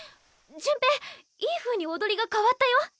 潤平いいふうに踊りが変わったよ。